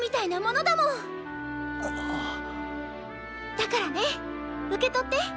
だからねっ受け取って！